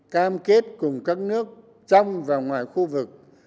cam kết cùng các nước trong và ngoài khu vực